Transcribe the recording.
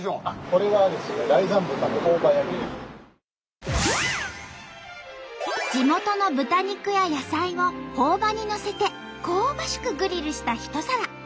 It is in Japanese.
これはですね地元の豚肉や野菜をほお葉にのせて香ばしくグリルした一皿。